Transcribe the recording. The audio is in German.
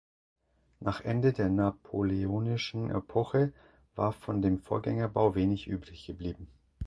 Nach Ende der napoleonischen Epoche war von dem Vorgängerbau wenig übrig geblieben.